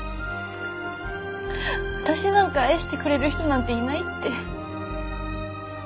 私なんか愛してくれる人なんていないって。